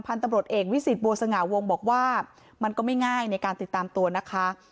ตำรวจเอกวิสิตบัวสง่าวงบอกว่ามันก็ไม่ง่ายในการติดตามตัวนะคะ